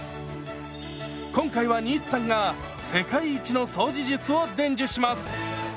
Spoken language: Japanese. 今回は新津さんが世界一の掃除術を伝授します！